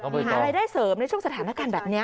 หารายได้เสริมในช่วงสถานการณ์แบบนี้